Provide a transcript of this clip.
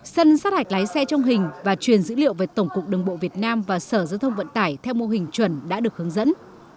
sân sát hạch lái xe trong hình và truyền dữ liệu về tổng cục đường bộ việt nam và sở giao thông vận tải theo mô hình chuẩn đã được hướng dẫn